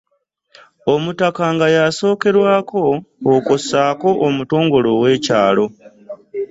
Omutaka nga y’asookerwako, okwo ssaako Omutongole Oweekyalo.